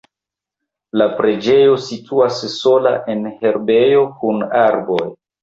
La preĝejo situas sola en herbejo kun arboj.